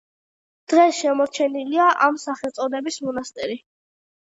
დღეს შემორჩენილია ამ სახელწოდების მონასტერი.